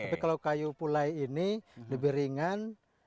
tapi kalau kayu pulai ini lebih ringan